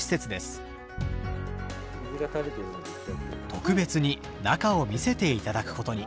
特別に中を見せて頂くことに。